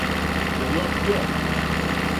Је ли он пират?